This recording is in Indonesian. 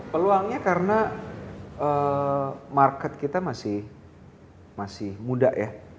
peluangnya karena market kita masih muda ya